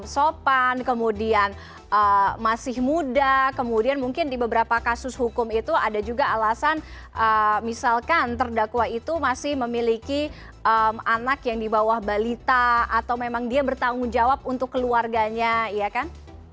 sopan kemudian masih muda kemudian mungkin di beberapa kasus hukum itu ada juga alasan misalkan terdakwa itu masih memiliki anak yang di bawah balita atau memang dia bertanggung jawab untuk keluarganya ya kan